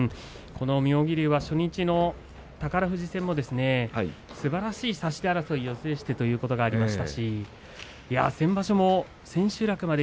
妙義龍は初日の宝富士戦もすばらしい差し手争いを制してという相撲がありました。